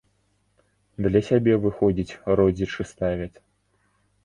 Для сябе, выходзіць, родзічы ставяць.